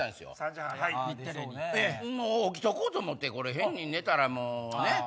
もう起きとこうと思って変に寝たらもうねっ。